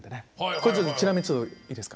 これちょっとちなみにいいですか？